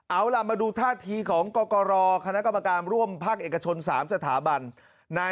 เอาล่ะมาดูท่าทีของกรกรคณะกรรมการร่วมภาคเอกชน๓สถาบัน